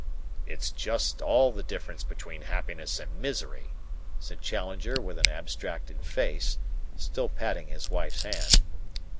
"It is just all the difference between happiness and misery," said Challenger with an abstracted face, still patting his wife's hand.